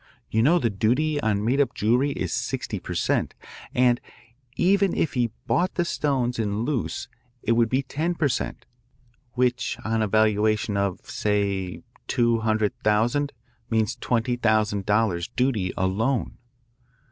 You know the duty on made up jewellery is sixty per cent., and even if he brought the stones in loose it would be ten per cent., which on a valuation of, say, two hundred thousand, means twenty thousand dollars duty alone.